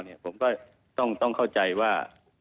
เรื่องบางราวเนี่ยผมก็ต้องเข้าใจว่า